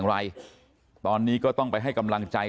แล้วก็ไปสังเกตการณ์ด้วย